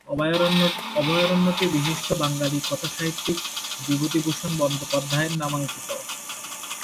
অভয়ারণ্যটি বিশিষ্ট বাঙালি কথাসাহিত্যিক বিভূতিভূষণ বন্দ্যোপাধ্যায়ের নামাঙ্কিত।